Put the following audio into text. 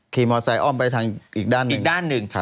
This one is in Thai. ขี่มอเซอร์อ้อมไปทางอีกด้านหนึ่ง